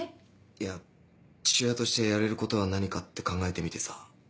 いや父親としてやれることは何かって考えてみてさ